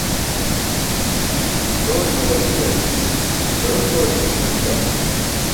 toorimi ġarićar darum toorimi mineṭ bila